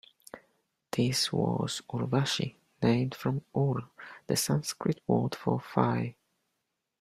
This was Urvashi, named from ur, the Sanskrit word for thigh.